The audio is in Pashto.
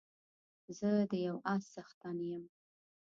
زه د يو اس څښتن يم